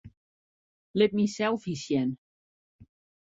Lit myn selfies sjen.